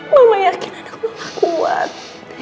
mama yakin anda orang kuat